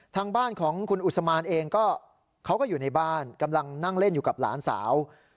ทางบ้านของคุณอุศมานเองก็เขาก็อยู่ในบ้านกำลังนั่งเล่นอยู่กับหลานสาว